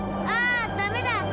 あダメだ！